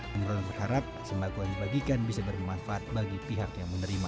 numron berharap sembako yang dibagikan bisa bermanfaat bagi pihak yang menerima